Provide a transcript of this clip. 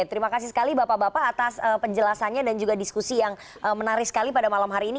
terima kasih sekali bapak bapak atas penjelasannya dan juga diskusi yang menarik sekali pada malam hari ini